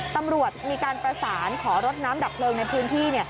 ตำรวจมีการประสานขอรถน้ำดับเพลิงในพื้นที่